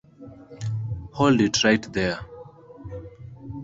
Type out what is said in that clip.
Hold It Right There!